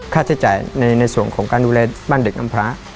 ค่าใช้จ่ายในส่วนของการดูแลบ้านเด็กน้ำพระ